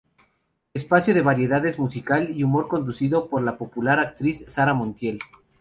Espacio de variedades, musical y humor conducido por la popular actriz Sara Montiel.